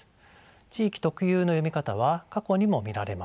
地域特有の読み方は過去にも見られます。